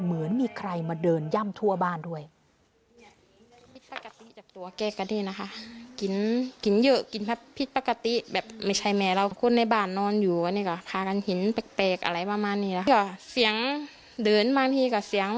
เหมือนมีใครมาเดินย่ำทั่วบ้านด้วย